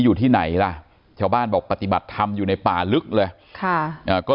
อยู่ที่ไหนล่ะชาวบ้านบอกปฏิบัติธรรมอยู่ในป่าลึกเลยค่ะอ่าก็